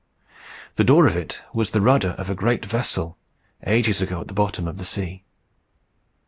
The door of it was the rudder of a great vessel, ages ago at the bottom of the sea.